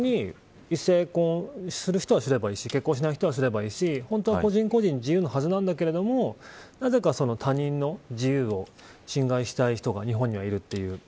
別に、異性婚する人はすればいいし結婚しない人はしなければいいし個人個人、自由なはずなんだけどなぜか他人の自由を侵害したい人が日本には、いるという。